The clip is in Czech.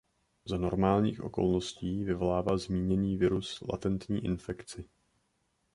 Za normálních okolností vyvolává zmíněný virus latentní infekci.